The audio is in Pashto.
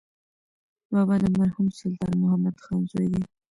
بابا د مرحوم سلطان محمد خان زوی دی.